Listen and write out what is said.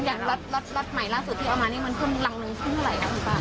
ล็อตใหม่ล่าสุดที่เอามานี่มันขึ้นรังหนึ่งขึ้นเท่าไหร่ครับคุณป้า